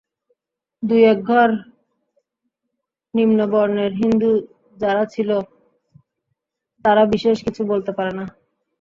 দুই-এক ঘর নিম্নবর্ণের হিন্দু যারা ছিল, তারা বিশেষ কিছু বলতে পারে না।